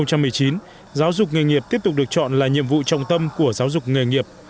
năm hai nghìn một mươi chín giáo dục nghề nghiệp tiếp tục được chọn là nhiệm vụ trọng tâm của giáo dục nghề nghiệp